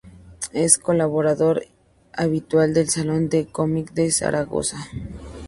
Es colaborador habitual del Salón del Cómic de Zaragoza.